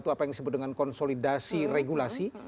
itu apa yang disebut dengan konsolidasi regulasi